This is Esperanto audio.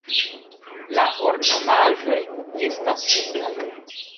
La ornamaĵoj estas simplaj.